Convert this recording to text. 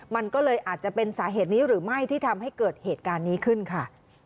มันก็เลยอาจจะเป็นสาเหตุนี้หรือไม่ที่ทำให้เกิดเหตุการณ์นี้ขึ้นค่ะ